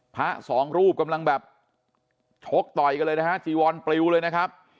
พระสองรูปกำลังแบบชกต่อยกันเลยนะฮะจีวอนปลิวเลยนะครับ